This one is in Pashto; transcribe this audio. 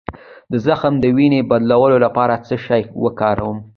د زخم د وینې بندولو لپاره څه شی وکاروم؟